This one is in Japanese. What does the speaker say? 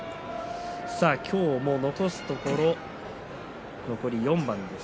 今日も残すところ残り４番です。